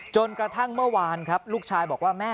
จนกระทั่งเมื่อวานครับลูกชายบอกว่าแม่